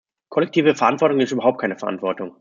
Kollektive Verantwortung ist überhaupt keine Verantwortung.